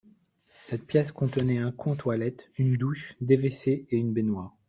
Cette pièce contenait un coin toilette, une douche, des WC et une baignoire.